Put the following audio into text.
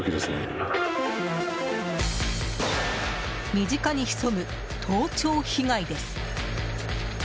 身近に潜む盗聴被害です。